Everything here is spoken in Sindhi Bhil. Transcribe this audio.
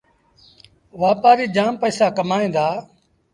وآپآريٚ جآم پئيٚسآ ڪمائيٚݩ دآ